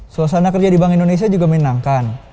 suasana kerja di bank indonesia juga menyenangkan